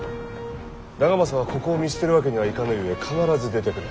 長政はここを見捨てるわけにはいかぬゆえ必ず出てくる。